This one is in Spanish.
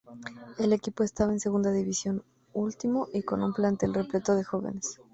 El equipo estaba en Segunda División, último y con un plantel repleto de jóvenes.